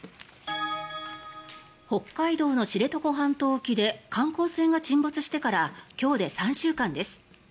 北海道の知床半島沖で観光船が沈没してから今日で３週間です。